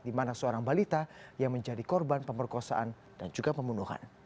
di mana seorang balita yang menjadi korban pemerkosaan dan juga pembunuhan